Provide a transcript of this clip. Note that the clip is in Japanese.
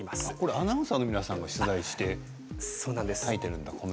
アナウンサーの皆さんが取材してそうなんです。